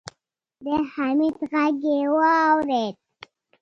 د حميد غږ يې واورېد.